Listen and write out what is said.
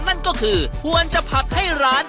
นั่นก็คือควรจะผักให้ร้าน